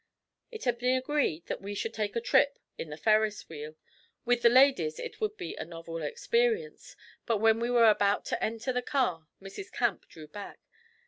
It had been agreed that we should take a trip in the Ferris Wheel. With the ladies it would be a novel experience, but when we were about to enter the car Mrs. Camp drew back.